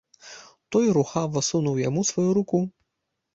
Той рухава сунуў яму сваю руку.